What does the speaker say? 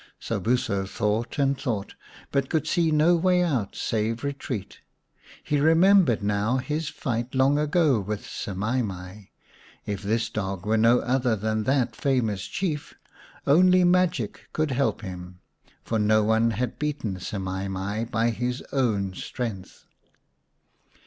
Sobuso thought and thought, but could see no way out save retreat. He remembered now his fight long ago with Semai mai ; if this dog were no other than that famous Chief only magic could help him, for no one had beaten Semai mai by his own strength.